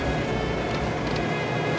saya temenin kamu